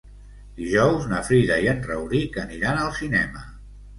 Dijous na Frida i en Rauric aniran al cinema.